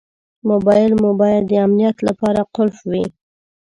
موبایل مو باید د امنیت لپاره قلف وي.